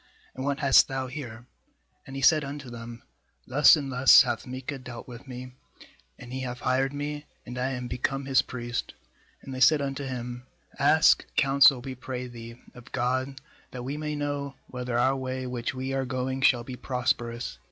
and what hast thou here? ' 4And he said unto them: 'Thus and thus hath Micah dealt with me, and he hath hired me, and I am become his priest.' &And they said unto him: 'Ask counsel, we pray thee, of God, that we may know whether our way which we are going shall be prosperous.'